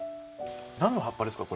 何の葉っぱですか？